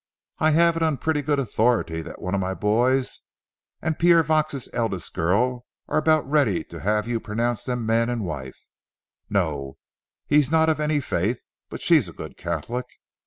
I have it on pretty good authority that one of my boys and Pierre Vaux's eldest girl are just about ready to have you pronounce them man and wife. No, he's not of any faith, but she's a good Catholic.